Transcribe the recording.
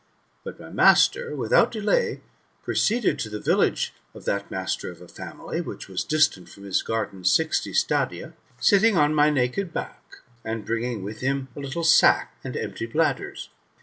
But my master, without delay, proceeded to the village of that master 6f a family, which was distant from his garden sixty stadia,^ sitting on my naked back, and bringing with him a little sack, and empty bladders.